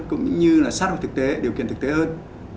cũng như là sát hợp thực tế điều kiện thực tế hơn